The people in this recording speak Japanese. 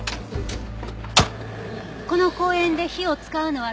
この公園で火を使うのは禁止ですよ。